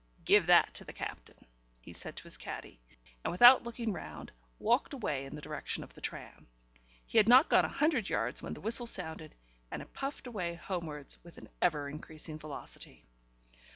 "Give that to the Captain," he said to his caddie, and without looking round, walked away in the direction of the tram. He had not gone a hundred yards when the whistle sounded, and it puffed away homewards with ever increasing velocity.